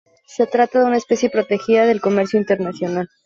Se trata de una especie protegida del comercio internacional.